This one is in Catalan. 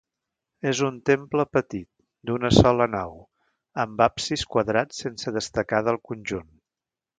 És un temple petit, d'una sola nau, amb absis quadrat sense destacar del conjunt.